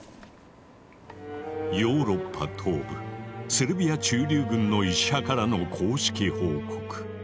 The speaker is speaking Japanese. ヨーロッパ東部セルビア駐留軍の医者からの公式報告。